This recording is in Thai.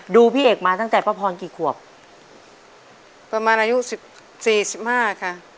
พี่เอกมาตั้งแต่ป้าพรกี่ขวบประมาณอายุสิบสี่สิบห้าค่ะ